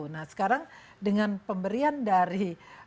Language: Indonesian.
nah sekarang dengan pemberian dari